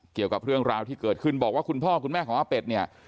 เกี่ยวกับเรื่องราวที่เกิดขึ้นบอกว่าคุณพ่อคุณแม่ของอาเป็ดเนี่ย